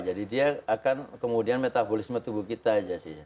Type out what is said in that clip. jadi dia akan kemudian metabolisme tubuh kita aja sih